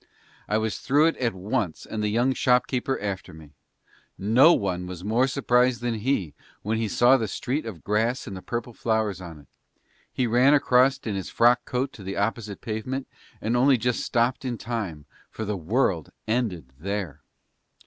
I was through it at once and the young shop keeper after me. No one was more surprised than he when he saw the street of grass and the purple flowers on it; he ran across in his frock coat on to the opposite pavement and only just stopped in time, for the world ended there.